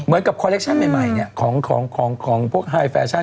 เหมือนกับคอลเลคชั่นใหม่ของพวกไฮแฟชั่น